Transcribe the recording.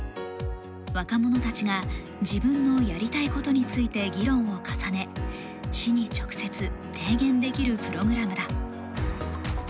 若者たちが自分のやりたいことについて議論を重ね、市に直接提言できるプログラムだ。